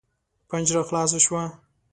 پنجره خلاصه شوه.